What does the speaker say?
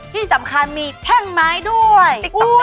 ที่สำคัญมีแท่งไม้ด้วย